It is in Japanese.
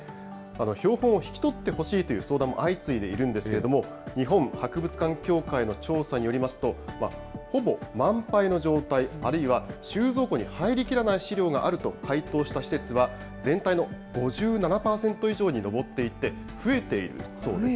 標本を引き取ってほしいという相談も相次いでいるんですけれども、日本博物館協会の調査によりますと、ほぼ満杯の状態、あるいは収蔵庫に入りきらない資料があると回答した施設は全体の５７％以上に上っていて、増えているそうです。